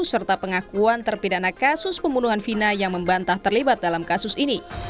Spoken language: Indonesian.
serta pengakuan terpidana kasus pembunuhan vina yang membantah terlibat dalam kasus ini